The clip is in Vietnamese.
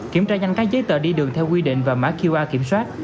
kiểm tra nhanh các giấy tờ đi đường theo quy định và mã qr kiểm soát